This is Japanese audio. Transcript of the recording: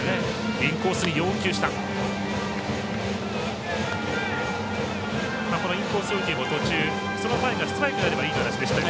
インコース要求も、途中その前がストライクであればいいというお話しでした。